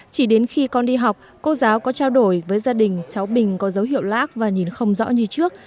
chỉ đến khi con đi học cô giáo có trao đổi với gia đình cháu bình có dấu hiệu lác và nhìn không rõ như trước